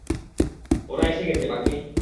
ওরা এসে গেছে, বাকে।